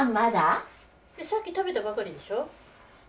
さっき食べたばかりでしょう？